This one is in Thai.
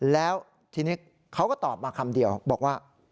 แล้วทีนี้เขาก็ตอบมาคำเดียวบอกว่า